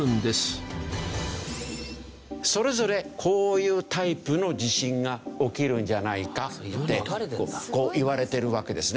それぞれこういうタイプの地震が起きるんじゃないかっていわれてるわけですね。